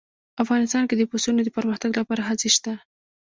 افغانستان کې د پسونو د پرمختګ لپاره هڅې شته.